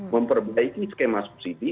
memperbaiki skema subsidi